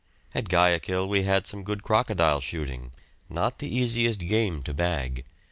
At Guayaquil we had some good crocodile shooting, not the easiest game to bag.